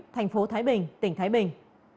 thành phố thái bình tỉnh thái bình